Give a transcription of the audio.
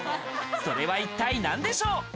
それは一体何でしょう？